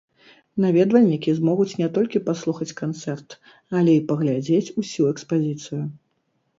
Наведвальнікі змогуць не толькі паслухаць канцэрт, але і паглядзець усю экспазіцыю.